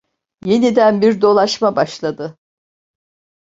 Yeniden bir dolaşma başladı.